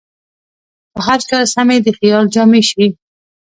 پر هر چا سمې د خیال جامې شي